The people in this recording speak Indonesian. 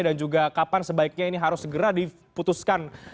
dan juga kapan sebaiknya ini harus segera diputuskan